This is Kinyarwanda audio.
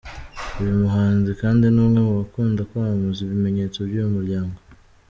uyu muhanzi kandi ni umwe mubakunda kwamamaza ibimenyetso by’uyu muryango.